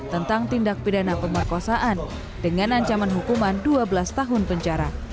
tentang tindak pidana pemerkosaan dengan ancaman hukuman dua belas tahun penjara